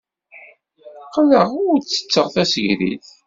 Qqleɣ ur ttetteɣ tasegrit.